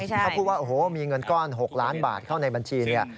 ถ้าพูดว่ามีเงินก้อน๖ล้านบาทเข้าในบัญชี